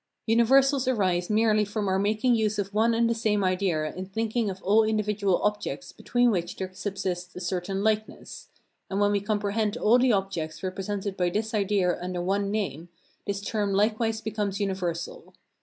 Universals arise merely from our making use of one and the same idea in thinking of all individual objects between which there subsists a certain likeness; and when we comprehend all the objects represented by this idea under one name, this term likewise becomes universal.